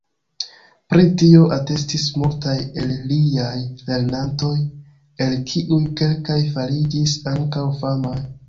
Pri tio atestis multaj el liaj lernantoj el kiuj kelkaj fariĝis ankaŭ famaj.